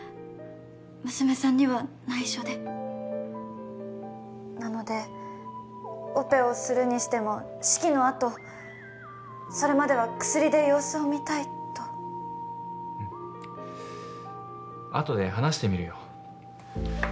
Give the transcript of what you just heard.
娘さんには内緒でなのでオペをするにしても式のあとそれまでは薬で様子を見たいとうんあとで話してみるよ